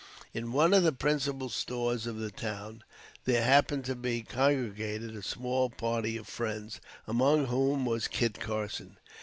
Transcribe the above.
In one of the principal stores of the town, there happened to be congregated a small party of friends, among whom was Kit Carson.